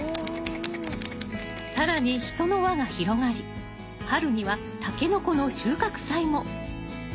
更に人の輪が広がり春にはタケノコの収穫祭も。